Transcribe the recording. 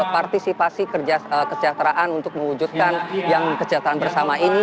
partisipasi kesejahteraan untuk mewujudkan yang kesejahteraan bersama ini